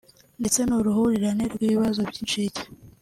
ndetse n’uruhurirane rw’ibibazo by’incike